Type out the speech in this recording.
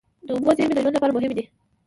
د اوبو زیرمې د ژوند لپاره مهمې دي.